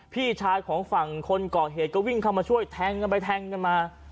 พี่ชายของฝั่งคนก่อเหตุก็วิ่งเข้ามาช่วยแทงกันไปแทงกันมา